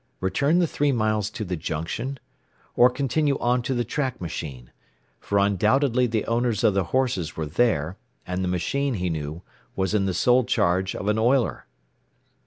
Return the three miles to the junction? or continue on to the track machine? For undoubtedly the owners of the horses were there; and the machine, he knew, was in the sole charge of an oiler.